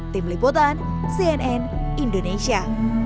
tim liputan cnn indonesia